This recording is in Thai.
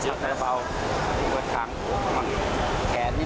สักคาราบาลเลยเหรอพี่